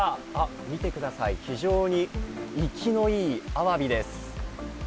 見てください、非常に生きのいいアワビです。